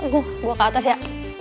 gue ke atas ya